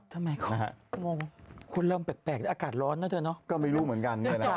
ทำไมคุณก็มอง